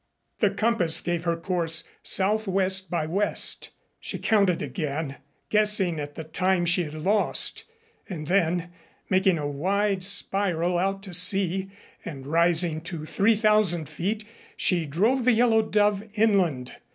The compass gave her course southwest by west. She counted again, guessing at the time she had lost, and then, making a wide spiral out to sea and rising to three thousand feet, she drove the Yellow Dove inland.